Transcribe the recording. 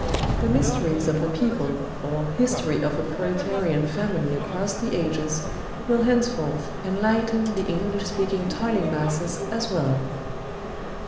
The Mysteries of the People; or, History of a Proletarian Family Across the Ages will henceforth enlighten the English speaking toiling masses as well.